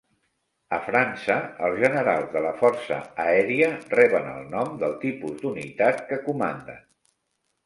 A França, els generals de la força aèria reben el nom del tipus d'unitat que comanden.